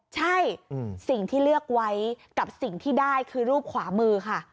ใช่สิ่งที่เลือกไว้กับสิ่งที่ได้คือรูปขวามือค่ะ